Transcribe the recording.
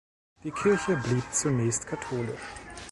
Die Kirche blieb zunächst katholisch.